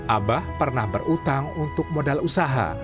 abah pernah berutang untuk modal usaha